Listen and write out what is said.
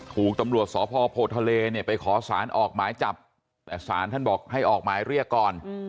ถูกตำรวจสพโพทะเลเนี่ยไปขอสารออกหมายจับแต่สารท่านบอกให้ออกหมายเรียกก่อน